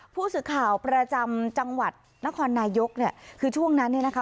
ผู้สื่อข่าวประจำจังหวัดนครนายกเนี่ยคือช่วงนั้นเนี่ยนะคะ